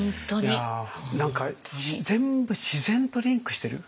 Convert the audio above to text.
何か全部自然とリンクしてる。